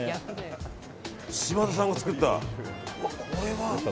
島田さんが作った。